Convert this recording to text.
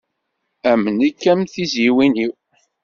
Am nekk am tizyiwin-iw.